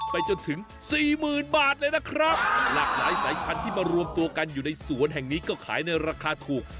ไปจนถึงสี่หมื่นบาทเลยนะครับหลากหลายสายพันธุ์ที่มารวมตัวกันอยู่ในสวนแห่งนี้ก็ขายในราคาถูก